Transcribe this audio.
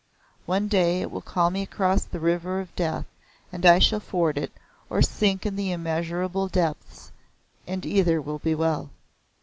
One day it will call me across the River of Death, and I shall ford it or sink in the immeasurable depths and either will be well.